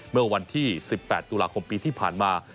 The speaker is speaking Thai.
เมื่อวันที่๑๘ตุลาคมปีที่ผ่านมา